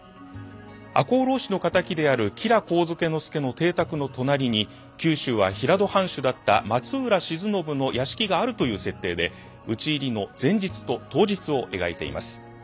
赤穂浪士の敵である吉良上野介の邸宅の隣に九州は平戸藩主だった松浦鎮信の屋敷があるという設定で討ち入りの前日と当日を描いています。